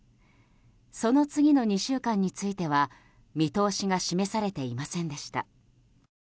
その次の２週間については見通しが示されていませんでした。